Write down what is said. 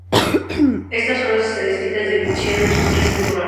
Estas son las estadísticas de pitcheo en sus tres temporadas.